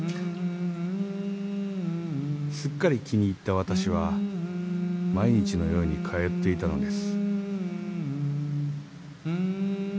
［すっかり気に入った私は毎日のように通っていたのです］